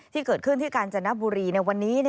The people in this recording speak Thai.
ที่เกิดขึ้นที่กาญจนบุรีในวันนี้